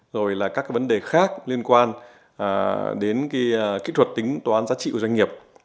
rồi là các vấn đề khác liên quan đến kỹ thuật tính toán giá trị của doanh nghiệp